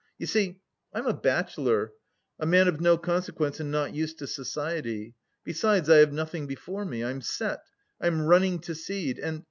"You see, I'm a bachelor, a man of no consequence and not used to society; besides, I have nothing before me, I'm set, I'm running to seed and...